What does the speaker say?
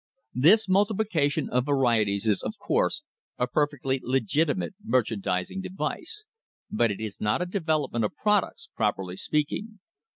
This multiplication of varieties is, of course, a perfectly legitimate merchandising device, but it is not a development of products, properly speaking.